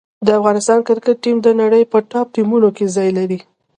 د افغانستان کرکټ ټیم د نړۍ په ټاپ ټیمونو کې ځای لري.